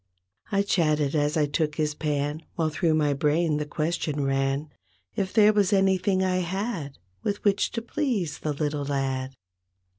I chatted as I took his pan While through my brain the question ran. If there was anything I had With which to please the little lad.